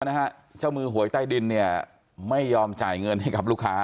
นะฮะเจ้ามือหวยใต้ดินเนี่ยไม่ยอมจ่ายเงินให้กับลูกค้า